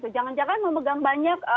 jangan jangan memegang banyak